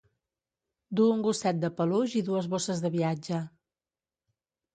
Du un gosset de peluix i dues bosses de viatge.